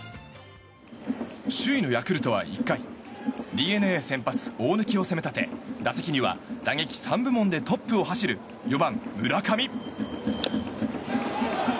首位のヤクルトは１回ＤｅＮＡ先発の大貫を攻め立て打席には打撃３部門でトップを走る４番、村上。